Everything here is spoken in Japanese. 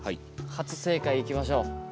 初正解いきましょう。